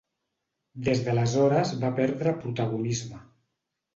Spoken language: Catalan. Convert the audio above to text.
Des d'aleshores va perdre protagonisme.